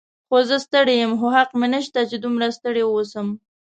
هو، زه ستړی یم، خو حق مې نشته چې دومره ستړی واوسم.